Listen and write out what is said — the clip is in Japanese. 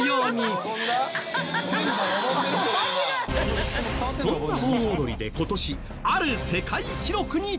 そんな盆踊りで今年ある世界記録に挑戦！